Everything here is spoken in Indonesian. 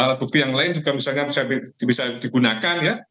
alat bukti yang lain juga misalnya bisa digunakan ya